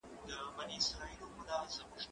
هغه څوک چي ښوونځی ځي زده کړه کوي